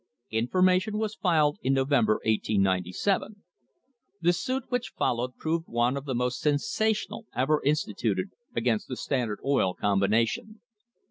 Information was filed in November, 1897. The suit which followed proved one of the most sensational ever insti tuted against the Standard Oil Combination.